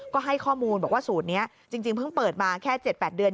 ก็ให้ข้อมูลบอกว่าสูตรนี้จริงเพิ่งเปิดมาแค่๗๘เดือน